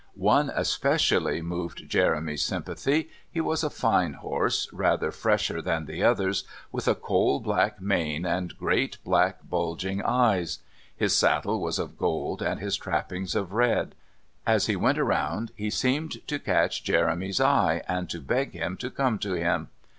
One especially moved Jeremy's sympathy. He was a fine horse, rather fresher than the others, with a coal black mane and great black bulging eyes; his saddle was of gold and his trappings of red. As he went round he seemed to catch Jeremy's eye and to beg him to come to him.